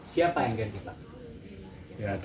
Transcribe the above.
siapa yang ganti pak